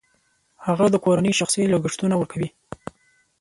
هغه د کورنۍ شخصي لګښتونه ورکوي